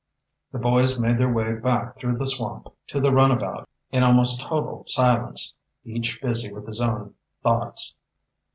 The boys made their way back through the swamp to the runabout in almost total silence, each busy with his own thoughts.